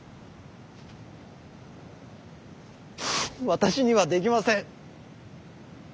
私にはできません。